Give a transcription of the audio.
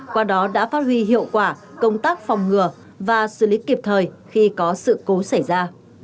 qua đó đã phát huy hiệu quả công tác phòng ngừa và xử lý kịp thời khi có sự cố xảy ra